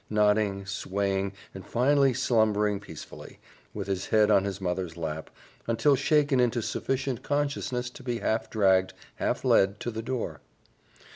nodding, swaying, and finally slumbering peacefully, with his head on his mother's lap, until shaken into sufficient consciousness to be half dragged, half led, to the door.